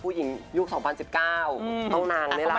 ผู้หญิงยุค๒๐๑๙ต้องนางนี่ละค่ะ